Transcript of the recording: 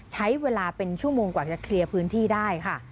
ใช้เวลาเป็นชั่วโมงกว่าจะเคลียร์พื้นที่ได้ค่ะ